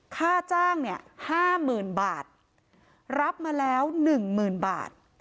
ฆ่าจ้างเนี่ย๕๐๐๐๐บาทรับมาแล้ว๑๐๐๐๐บาท